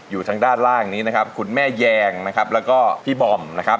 อยู่ทางด้านล่างนี้นะครับคุณแม่แยงนะครับแล้วก็พี่บอมนะครับ